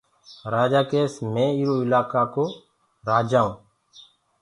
رآجآ ڪيس مي ايرو الآڪآئو رآجآئو